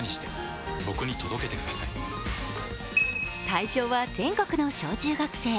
対象は全国の小中学生。